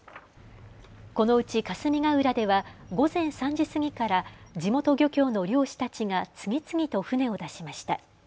このうち霞ヶ浦では午前３時過ぎから地元漁協の漁師たちが次々と船を出しました。